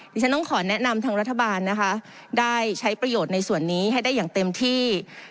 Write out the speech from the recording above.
ดิฉันต้องขอแนะนำทางรัฐบาลนะคะได้ใช้ประโยชน์ในส่วนนี้ให้ได้อย่างเต็มที่